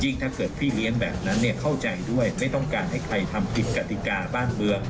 ถ้าเกิดพี่เลี้ยงแบบนั้นเข้าใจด้วยไม่ต้องการให้ใครทำผิดกติกาบ้านเมือง